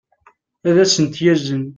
ad as-ten-yazen